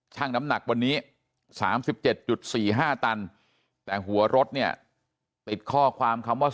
น้ำหนักวันนี้๓๗๔๕ตันแต่หัวรถเนี่ยติดข้อความคำว่า